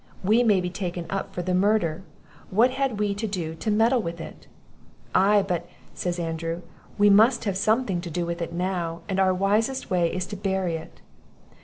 we may be taken up for the murder; what had we to do to meddle with it?' 'Ay, but,' says Andrew, 'we must have something to do with it now; and our wisest way is to bury it.